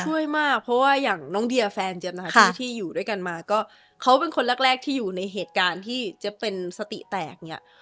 ช่วยมากเพราะว่าอย่างน้องเดียแฟนเจ๊บนะคะที่อยู่ด้วยกันมาก็เขาเป็นคนแรกแรกที่อยู่ในเหตุการณ์ที่เจ๊เป็นสติแตกเนี่ย